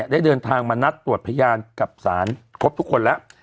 ได้เดินทางมานัดตรวจพยานกับสารครบทุกคนแล้ว